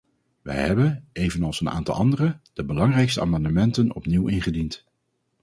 Wij hebben, evenals een aantal anderen, de belangrijkste amendementen opnieuw ingediend.